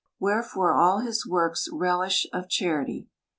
Wherefore all his works reUsh of charity.